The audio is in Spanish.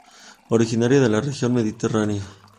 Originaria de la región mediterránea.